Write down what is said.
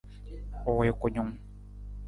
U wii kunung.